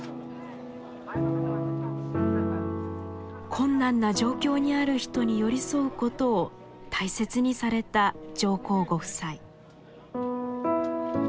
困難な状況にある人に寄り添うことを大切にされた上皇ご夫妻。